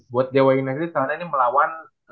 buat dewa indonesia karena ini melawan